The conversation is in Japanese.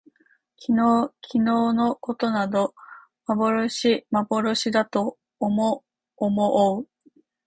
昨日きのうのことなど幻まぼろしだと思おもおう